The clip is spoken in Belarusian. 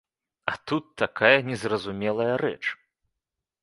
А тут такая незразумелая рэч.